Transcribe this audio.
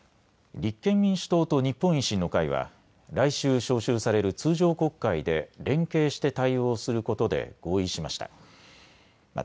立憲民主党と日本維新の会は来週、召集される通常国会で連携して対応することで合意しました。